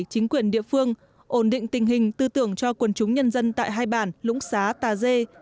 chính quyền địa phương ổn định tình hình tư tưởng cho quần chúng nhân dân tại hai bản lũng xá tà dê